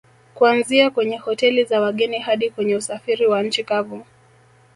Kuanzia kwenye Hoteli za wageni hadi kwenye usafiri wa nchi kavu